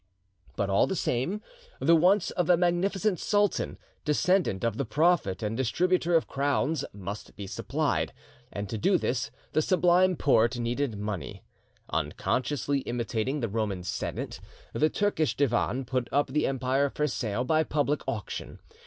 But, all the same, the wants of a magnificent sultan, descendant of the Prophet and distributor of crowns, must be supplied; and to do this, the Sublime Porte needed money. Unconsciously imitating the Roman Senate, the Turkish Divan put up the empire for sale by public auction.